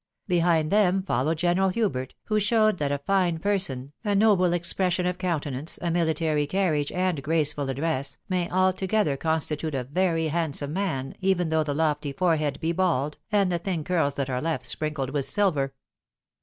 ' Behind them followed General Hubert, who showed that a fine person, a noble expression of countenance, a mihtary carriage, and graceful address, may altogether constitute a very hand some man, even though the lofty forehead be bald, and the thin curls that are left, sprinkled with silver.